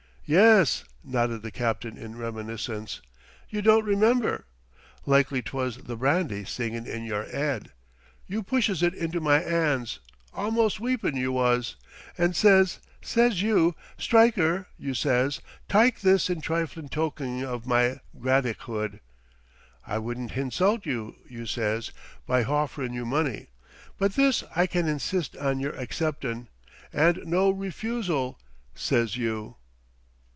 "Yes," nodded the captain in reminiscence. "You don't remember? Likely 'twas the brandy singing in yer 'ead. You pushes it into my 'ands, almost weepin', you was, and sez, sez you, 'Stryker,' you sez, 'tyke this in triflin' toking of my gratichood; I wouldn't hinsult you,' you sez, 'by hofferin' you money, but this I can insist on yer acceptin', and no refusal,' says you."